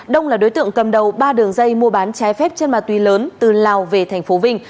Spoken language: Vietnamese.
đông là đối tượng cầm đầu ba đường dây mua bán trái phép chân ma túy lớn từ lào về tp vinh